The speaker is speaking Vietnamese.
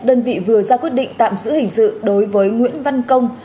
đơn vị vừa ra quyết định tạm giữ hình sự đối với nguyễn văn công